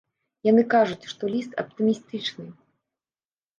Яны кажуць, што ліст аптымістычны.